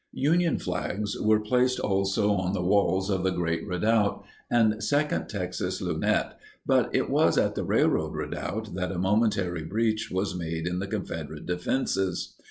Union flags were placed also on the walls of the Great Redoubt and Second Texas Lunette, but it was at the Railroad Redoubt that a momentary breach was made in the Confederate defenses.